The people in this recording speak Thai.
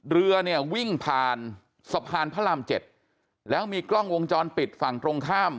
เรือเนี่ยวิ่งผ่านสะพานพระรามเจ็ดแล้วมีกล้องวงจรปิดฝั่งตรงข้าม